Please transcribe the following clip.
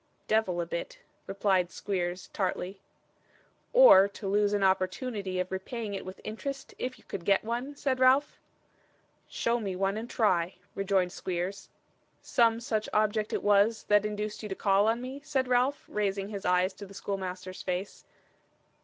'Devil a bit,' replied Squeers, tartly. 'Or to lose an opportunity of repaying it with interest, if you could get one?' said Ralph. 'Show me one, and try,' rejoined Squeers. 'Some such object it was, that induced you to call on me?' said Ralph, raising his eyes to the schoolmaster's face.